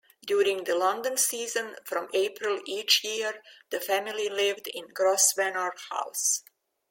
During the London season, from April each year, the family lived in Grosvenor House.